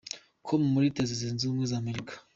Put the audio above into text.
com muri Leta Zunze Ubumwe z’Amerika.